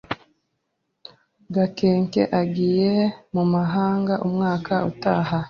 Gakenke agiye mumahanga umwaka utaha.